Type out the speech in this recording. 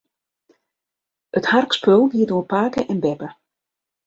It harkspul giet oer pake en beppe.